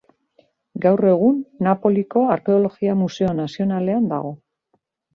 Gaur egun, Napoliko Arkeologia Museo Nazionalean dago.